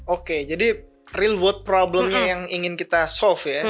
oke jadi real world problemnya yang ingin kita soft ya